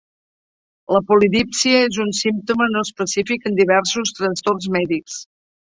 La polidípsia és un símptoma no específic en diversos trastorns mèdics.